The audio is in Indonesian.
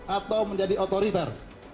atau menjadi otoriter